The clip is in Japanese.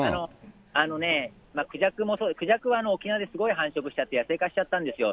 あのね、クジャクもそう、クジャクは沖縄ですごい繁殖しちゃって、野生化しちゃったんですよ。